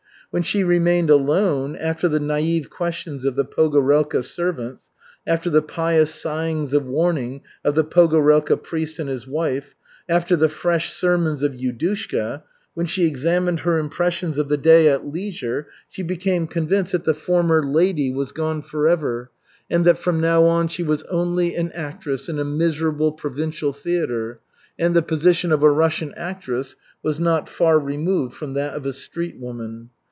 When she remained alone, after the naïve questions of the Pogorelka servants, after the pious sighs of warning of the Pogorelka priest and his wife, after the fresh sermons of Yudushka, when she examined her impressions of the day at leisure, she became convinced that the former "lady" was gone forever and that from now on she was only an actress in a miserable provincial theatre, and the position of a Russian actress was not far removed from that of a street woman.